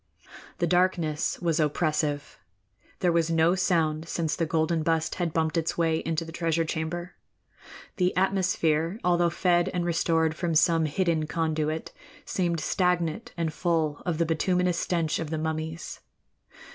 The darkness was oppressive. There was no sound since the golden bust had bumped its way into the treasure chamber. The atmosphere, although fed and restored from some hidden conduit, seemed stagnant and full of the bituminous stench of the mummies.